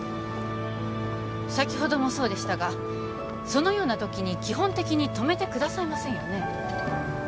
先ほどもそうでしたがそのようなときに基本的に止めてくださいませんよね？